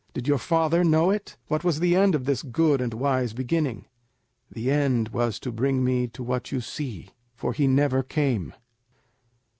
Did your father know it? What was the end of this good and wise beginning?" "The end was to bring me to what you see, for he never came."